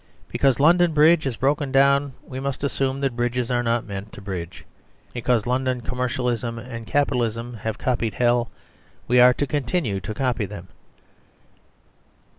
Because London Bridge is broken down, we must assume that bridges are not meant to bridge. Because London commercialism and capitalism have copied hell, we are to continue to copy them.